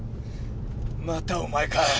またお前か。